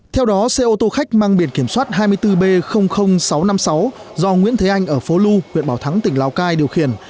theo đó xe ô tô khách mang biển kiểm soát hai mươi bốn b sáu trăm năm mươi sáu do nguyễn thế anh ở phố lu huyện bảo thắng tỉnh lào cai điều khiển